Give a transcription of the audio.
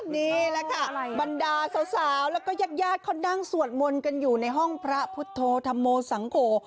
นี่แหละค่ะบรรดาสาวแล้วก็ญาติญาติเขานั่งสวดมนต์กันอยู่ในห้องพระพุทธธรรมโมสังโก